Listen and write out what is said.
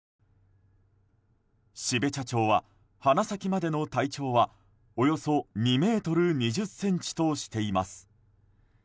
標茶町は、鼻先までの体長はおよそ２ｍ２０ｃｍとしています。